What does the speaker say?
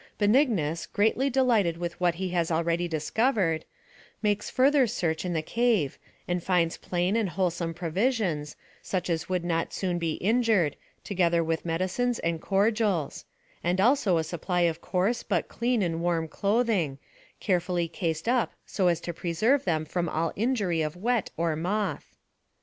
28 INT R Db 3TION. Benignus, greatly delighted with what he has already discovered, makes further search in the cave, and finds plain and wholesome provisions, such as would not soon be injured, together with medicines and cordials ; and also a supply of coarse, but clean and warm clothing, carefully cased up so as to preserve them from all injury of wet or moth.